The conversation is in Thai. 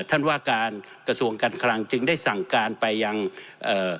ท่านว่าการกระทรวงการคลังจึงได้สั่งการไปยังเอ่อ